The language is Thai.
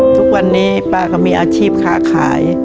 ทุกวันนี้ป้าก็มีอาชีพค้าขาย